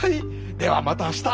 ではまた明日！